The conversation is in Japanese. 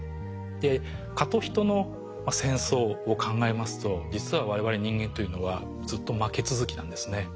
で蚊と人の戦争を考えますと実はわれわれ人間というのはずっと負け続きなんですね。